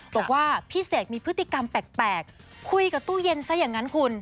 บอกว่าพี่เสกมีพฤติกรรมแปลกคุยกับตู้เย็นซะอย่างนั้นคุณ